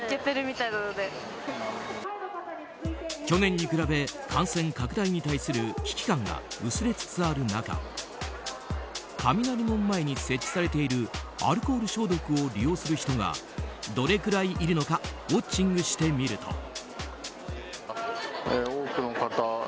去年に比べ感染拡大に対する危機感が薄れつつある中雷門前に設置されているアルコール消毒を利用する人がどれくらいいるのかウォッチングしてみると。